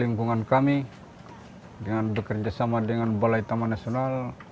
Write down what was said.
lingkungan kami dengan bekerja sama dengan balai taman nasional